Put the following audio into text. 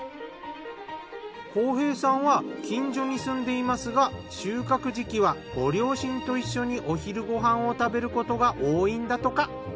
浩平さんは近所に住んでいますが収穫時期はご両親と一緒にお昼ご飯を食べることが多いんだとか。